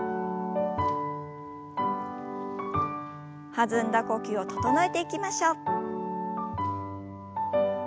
弾んだ呼吸を整えていきましょう。